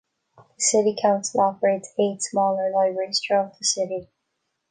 The city council operates eight smaller libraries throughout the city.